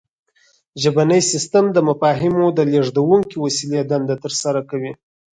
ژبنی سیستم د مفاهیمو د لیږدونکې وسیلې دنده ترسره کوي